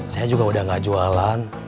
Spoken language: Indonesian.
saya juga udah gak jualan